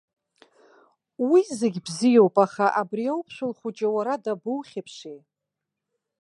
Уи зегьы бзиоуп, аха абри ауԥшәыл хәыҷы уара дабоухьыԥши?!